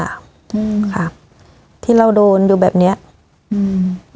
อืมค่ะที่เราโดนอยู่แบบเนี้ยอืม